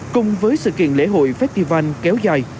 cùng với sự kiện lễ hội festival kéo dài